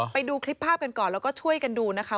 ไปดูคลิปภาพกันก่อนแล้วก็ช่วยกันดูนะคะ